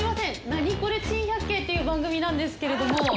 『ナニコレ珍百景』という番組なんですけれども。